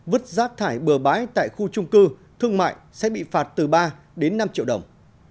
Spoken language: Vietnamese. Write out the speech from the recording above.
vứt rác thải bừa bãi tại khu trung cư thương mại sẽ bị phạt từ ba đến năm triệu đồng